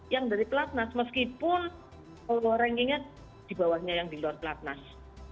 yang dari pelatnas meskipun rankingnya di bawahnya yang di luar pelatnas